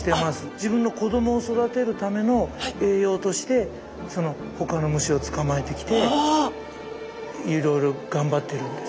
自分の子どもを育てるための栄養としてほかの虫を捕まえてきていろいろ頑張ってるんです。